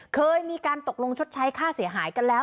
เคยมีการตกลงชดใช้ค่าเสียหายกันแล้ว